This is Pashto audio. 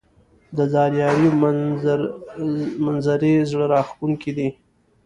د ځاځي اریوب منظزرې زړه راښکونکې دي